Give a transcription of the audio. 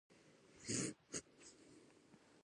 د حاصل ښه والی د خاورې، تخم او اوبو کیفیت پورې تړلی دی.